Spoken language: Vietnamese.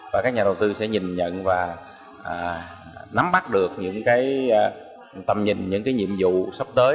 và các nhà đầu tư sẽ nhìn nhận và nắm bắt được những tầm nhìn những cái nhiệm vụ sắp tới